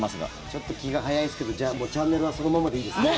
ちょっと気が早いですけどじゃあ、チャンネルはそのままでいいですね。